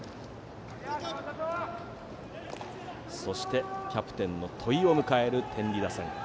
そしてキャプテンの戸井を迎える天理打線。